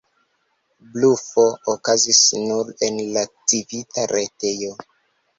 Blufo okazis nur en la Civita retejo.